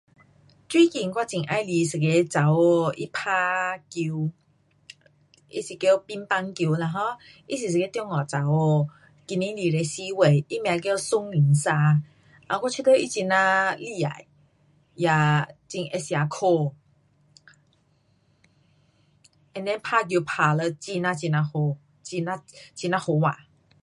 最近我很喜欢一个女孩，她打球，她是叫乒乓球，她是一个中国女孩，今年二十四岁，她名叫松迎沙。我觉得她很呀厉害，也很会吃苦。and then 打球打了很呀很呀好，很呀好看。